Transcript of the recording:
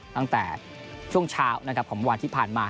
ตั้งแต่ช่วงเช้านะครับของวันที่ผ่านมา